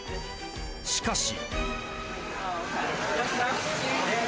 しかし。